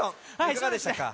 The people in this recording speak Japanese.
いかがでしたか？